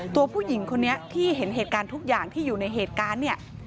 ผู้หญิงคนนี้ที่เห็นเหตุการณ์ทุกอย่างที่อยู่ในเหตุการณ์เนี่ย